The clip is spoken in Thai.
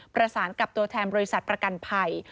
ประสานกับตัวแทนบริษัทประกันภัย